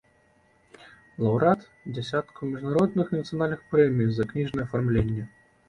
Лаўрэат дзясяткаў міжнародных і нацыянальных прэмій за кніжнае афармленне.